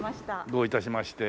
どういたしまして。